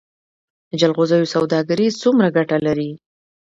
د جلغوزیو سوداګري څومره ګټه لري؟